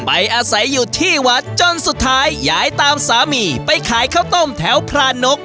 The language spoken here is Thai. อาศัยอยู่ที่วัดจนสุดท้ายย้ายตามสามีไปขายข้าวต้มแถวพรานก